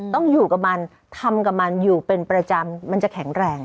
ต้องอยู่กับมันทำกับมันอยู่เป็นประจำมันจะแข็งแรง